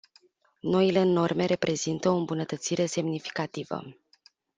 Noile norme reprezintă o îmbunătățire semnificativă.